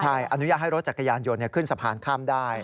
ใช่อนุญาตให้รถจักรยานยนต์ขึ้นสะพานข้ามได้